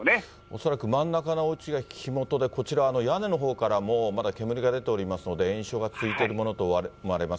恐らく真ん中のおうちが火元で、こちら、屋根のほうからもまだ煙が出ておりますので、延焼が続いているものと思われます。